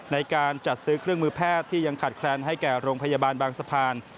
ในการจัดซื้อเครื่องมือแพทย์ที่ยังขาดแคลนให้แก่โรงพยาบาลบางสะพาน